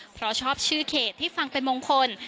เพราะชอบชื่อเขตที่ฟังเป็นมงคล